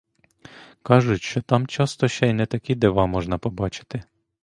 Кажуть, що там часто ще й не такі дива можна побачити.